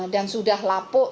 dan sudah lapuk